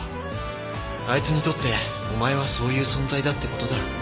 あいつにとってお前はそういう存在だってことだ。